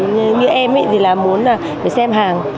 như em thì là muốn là phải xem hàng